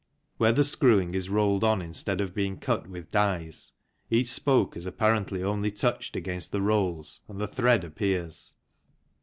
Where the screwing is rolled on instead of being cut with dies, each spoke is apparently only touched against the rolls and the thread appears.